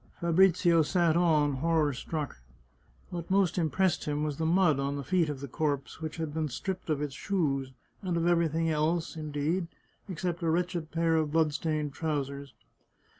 Fabrizio sat on, horror struck. What most impressed him was the mud on the feet of the corpse, which had been stripped of its shoes, and of everything else, indeed, except a wretched pair of blood stained trousers.